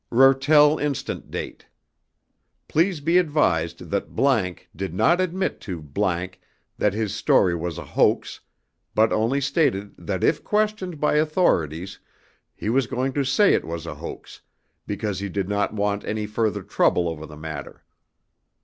REURTEL INSTANT DATE. PLEASE BE ADVISED THAT ____ DID NOT ADMIT TO ____ THAT HIS STORY WAS A HOAX BUT ONLY STATED THAT IF QUESTIONED BY AUTHORITIES HE WAS GOING TO SAY IT WAS A HOAX BECAUSE HE DID NOT WANT ANY FURTHER TROUBLE OVER THE MATTER.